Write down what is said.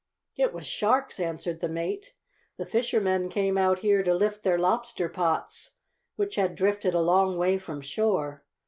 "It was sharks," answered the mate. "The fishermen came out here to lift their lobster pots, which had drifted a long way from shore.